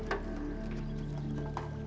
langkar puan ruth buktoon